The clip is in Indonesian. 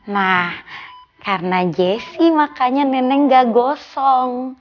nah karena jessi makanya nenek gak gosong